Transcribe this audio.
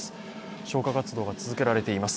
消火活動が続いています。